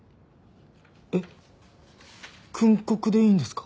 えっ訓告でいいんですか？